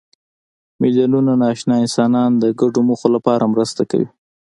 میلیونونه ناآشنا انسانان د ګډو موخو لپاره مرسته کوي.